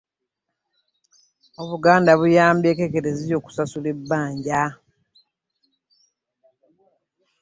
Obuganda buyambye eko ekereziya okusasula ebbanja.